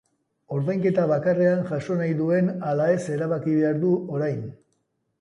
Ordainketa bakarrean jaso nahi duen ala ez erabaki behar du orain.